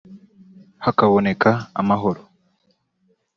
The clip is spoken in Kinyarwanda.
hakaboneka amahoro